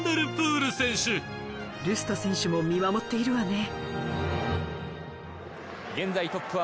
ルスト選手も見守っているわね。